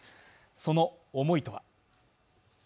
その思いとは。